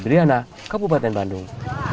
riana kabupaten bandung